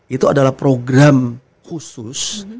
itu adalah program khusus